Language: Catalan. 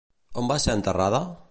On va ser enterrada?